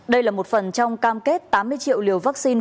đây là một phần trong cam kết tám mươi triệu liều vaccine